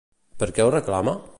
Per què ho reclama?